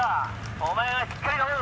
お前はしっかり頼むぞ。